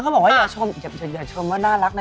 เขาบอกว่าอย่าชมว่าน่ารักนะ